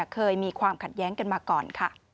เคยมีความขัดแย้งกันมาก่อนค่ะ